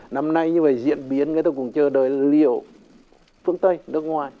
năm nay như vậy diễn biến người ta cũng chờ đợi liệu phương tây nước ngoài